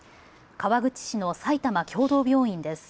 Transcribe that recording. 川口市の埼玉協同病院です。